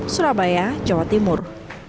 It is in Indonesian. surabaya jawa timur